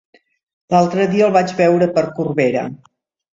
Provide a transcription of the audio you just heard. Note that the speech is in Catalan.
L'altre dia el vaig veure per Corbera.